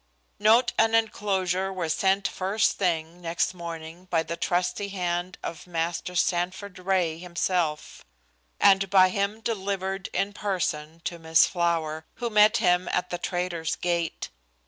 Note and enclosure were sent first thing next morning by the trusty hand of Master Sanford Ray, himself, and by him delivered in person to Miss Flower, who met him at the trader's gate.